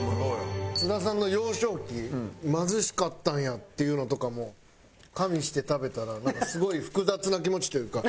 津田さんの幼少期貧しかったんやっていうのとかも加味して食べたらなんかすごい複雑な気持ちというか。